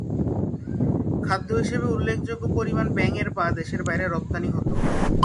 খাদ্য হিসেবে উল্লেখযোগ্য পরিমাণ ব্যাঙের পা দেশের বাইরে রপ্তানি হতো।